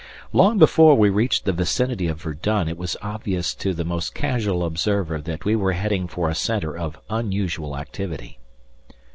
Long before we reached the vicinity of Verdun it was obvious to the most casual observer that we were heading for a centre of unusual activity.